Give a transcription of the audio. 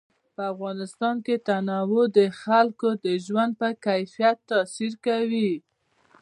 په افغانستان کې تنوع د خلکو د ژوند په کیفیت تاثیر کوي.